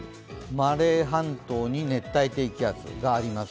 マレー半島に熱帯低気圧があります。